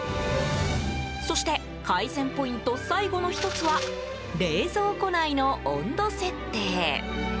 そして改善ポイント最後の１つは冷蔵庫内の温度設定。